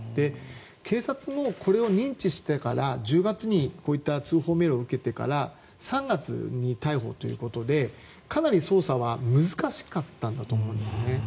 警察もこれを認知してから１０月に通報メールを受けてから３月に逮捕ということでかなり捜査は難しかったんだと思うんですね。